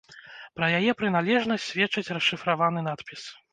Пра яе прыналежнасць сведчыць расшыфраваны надпіс.